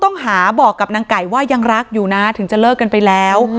ต้องหาบอกกับนางไก่ว่ายังรักอยู่นะถึงจะเลิกกันไปแล้ว